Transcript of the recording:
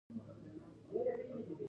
د مزار شریف روضه د نوروز مرکز دی